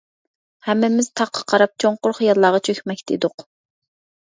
ھەممىمىز تاققا قاراپ چوڭقۇر خىياللارغا چۆكمەكتە ئىدۇق.